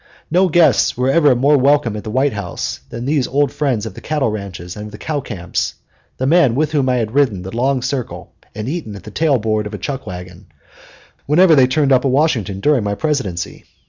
No guests were ever more welcome at the White House than these old friends of the cattle ranches and the cow camps the men with whom I had ridden the long circle and eaten at the tail board of a chuck wagon whenever they turned up at Washington during my Presidency.